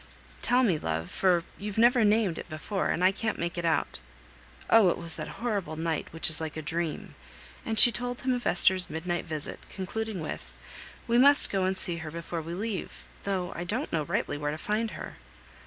Tell me, love, for you've never named it before, and I can't make it out." "Oh! it was that horrible night which is like a dream." And she told him of Esther's midnight visit, concluding with, "We must go and see her before we leave, though I don't rightly know where to find her."